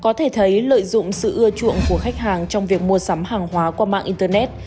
có thể thấy lợi dụng sự ưa chuộng của khách hàng trong việc mua sắm hàng hóa qua mạng internet